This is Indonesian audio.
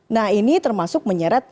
nah ini termasuk menyeret